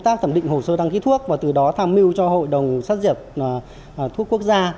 tác thẩm định hồ sơ đăng ký thuốc và từ đó tham mưu cho hội đồng xác dẹp thuốc quốc gia